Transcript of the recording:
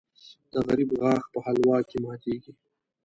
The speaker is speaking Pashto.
د غریب غاښ په حلوا کې ماتېږي .